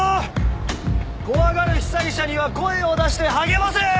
怖がる被災者には声を出して励ませ。